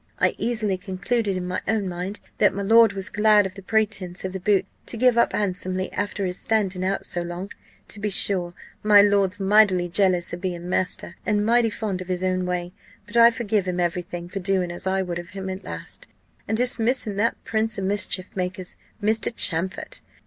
I easily concluded in my own mind, that my lord was glad of the pretence of the boots, to give up handsomely after his standing out so long. To be sure, my lord's mightily jealous of being master, and mighty fond of his own way; but I forgive him every thing for doing as I would have him at last, and dismissing that prince of mischief makers, Mr. Champfort.